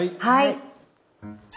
はい。